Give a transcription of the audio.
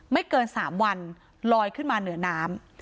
ไม่เกิน๓วันลอยขึ้นมาเหนือน้ำ